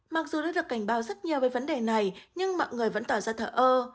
mặc dù đã được cảnh báo rất nhiều về vấn đề này nhưng mọi người vẫn tỏ ra thờ ơ